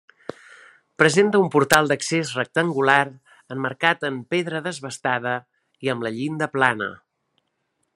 Presenta un portal d'accés rectangular emmarcat en pedra desbastada i amb la llinda plana.